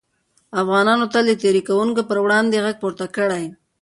افغانانو تل د تېري کوونکو پر وړاندې غږ پورته کړی.